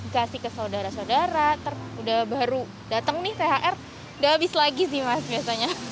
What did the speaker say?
kasih ke saudara saudara udah baru dateng nih thr udah habis lagi sih mas biasanya